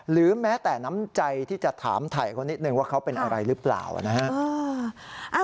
หรือแม้แต่น้ำใจที่จะถามถ่ายเขานิดนึงว่าเขาเป็นอะไรหรือเปล่านะฮะ